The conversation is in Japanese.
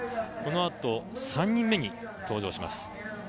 このあと３人目に登場します。